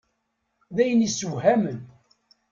D ayen isewhamen.